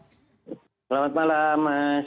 selamat malam mas